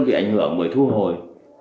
bị ảnh hưởng mười thu hồi